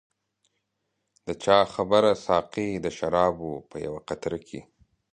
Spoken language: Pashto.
د چا خبره ساقي د شرابو په یوه قطره کې.